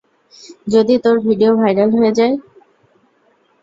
যদি তোর video viral হয়ে যায়?